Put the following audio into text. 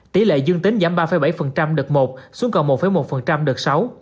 tỷ lệ dương tính giảm ba bảy đợt một xuống còn một một đợt sáu